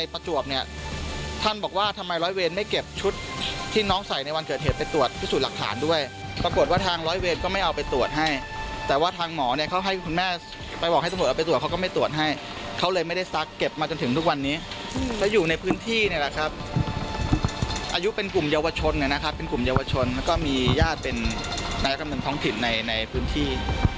ปรากฏว่าทางร้อยเวทก็ไม่เอาไปตรวจให้แต่ว่าทางหมอเนี่ยเขาให้คุณแม่ไปบอกให้ตรวจเอาไปตรวจเขาก็ไม่ตรวจให้เขาเลยไม่ได้ซักเก็บมาจนถึงทุกวันนี้ก็อยู่ในพื้นที่เนี่ยแหละครับอายุเป็นกลุ่มเยาวชนเนี่ยนะครับเป็นกลุ่มเยาวชนแล้วก็มีญาติเป็นท้องถิ่นในพื้นที่